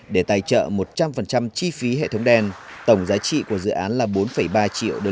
để tài trợ một trăm linh chi phí hệ thống đèn tổng giá trị của dự án là bốn ba triệu usd